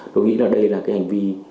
tôi nghĩ là đây là cái hành vi